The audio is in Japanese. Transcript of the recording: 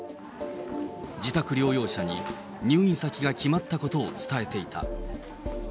自宅療養者に入院先が決まったことを伝えていた。